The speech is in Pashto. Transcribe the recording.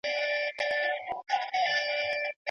مثبت فکر انرژي نه کموي.